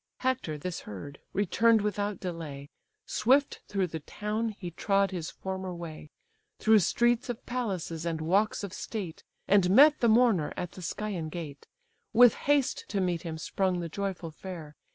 Hector this heard, return'd without delay; Swift through the town he trod his former way, Through streets of palaces, and walks of state; And met the mourner at the Scæan gate. With haste to meet him sprung the joyful fair.